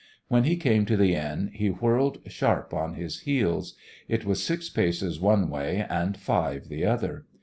When he came to the end, he whirled sharp on his heels. It was six paces one way and five the other.